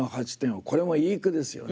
これもいい句ですよね。